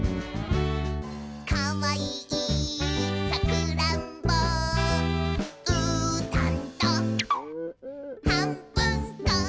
「かわいいさくらんぼ」「うーたんとはんぶんこ！」